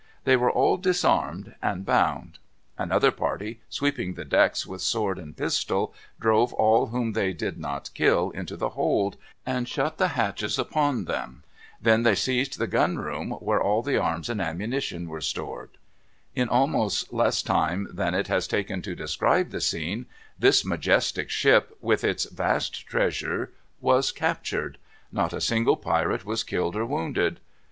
They were all disarmed and bound. Another party, sweeping the decks with sword and pistol, drove all whom they did not kill into the hold, and shut the hatches upon them. They then seized the gun room, where all the arms and ammunition were stored. In almost less time than it has taken to describe the scene, this majestic ship with its vast treasures was captured. Not a single pirate was killed or wounded.